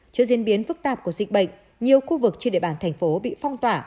trước diễn biến phức tạp của dịch bệnh nhiều khu vực trên địa bàn thành phố bị phong tỏa